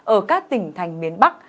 ở các tỉnh thành miền bắc